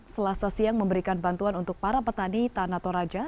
selasa siang memberikan bantuan untuk para petani tanah toraja